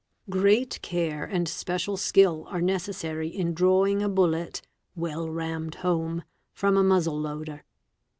BREECH LOADERS 431. Great care and special skill are necessary in drawing a bullet, well rammed home, from a muzzle loader.